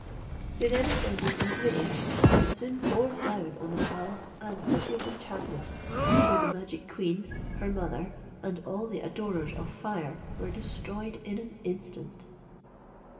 They then ascended into the air, and soon poured down on the palace and City of Enchantments, where the magic queen, her mother, and all the adorers of fire, were destroyed in an instant.